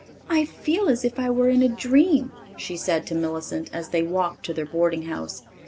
"I feel as if I were in a dream," she said to Millicent as they walked to their boarding house.